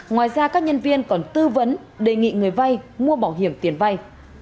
ngoài ra các nhân viên còn tư vấn đề người vay mua bảo hiểm tiền vay